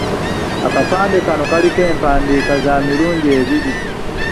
Akapande kano kaliko empandiika za mirundi ebiri.